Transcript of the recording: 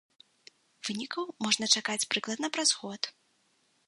Вынікаў можна чакаць прыкладна праз год.